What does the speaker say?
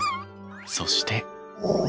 そして。